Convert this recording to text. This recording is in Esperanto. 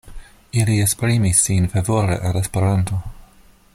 Ili esprimis sin favore al Esperanto.